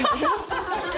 ハハハハ！